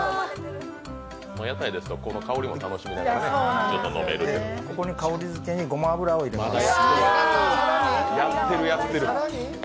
屋台だとこの香りも楽しみながら飲めるというここに香りづけに、ごま油を入れます。